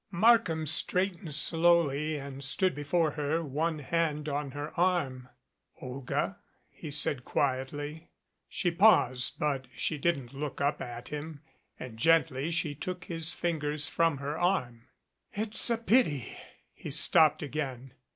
Markham straightened slowly and stood before her, one hand on her arm. "Olga," he said quietly. She paused, but she didn't look up at him, and gently she took his fingers from her arm. "It's a pity " he stopped again.